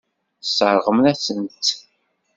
Tesseṛɣem-asen-tt.